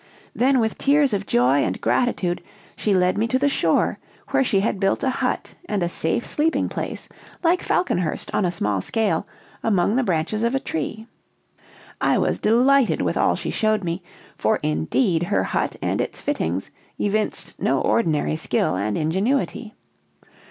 "Then, with tears of joy and gratitude, she led me to the shore, where she had built a hut and a safe sleeping place, like Falconhurst on a small scale, among the branches of a tree. I was delighted with all she showed me, for indeed her hut and its fittings evinced no ordinary skill and ingenuity.